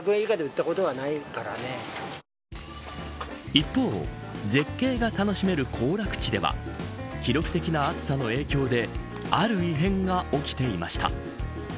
一方、絶景が楽しめる行楽地では記録的な暑さの影響である異変が起きていました。